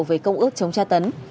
về công ước chống tra tấn